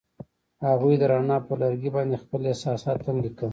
هغوی د رڼا پر لرګي باندې خپل احساسات هم لیکل.